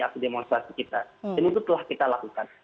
aksi demonstrasi kita dan itu telah kita lakukan